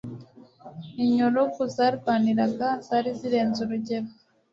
Inyurugu zarwanirwaga zari zirenze urugero